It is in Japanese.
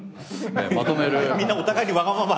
みんなお互いにわがまま。